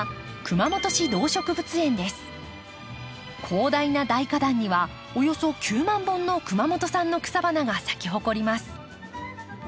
広大な大花壇にはおよそ９万本の熊本産の草花が咲き誇ります。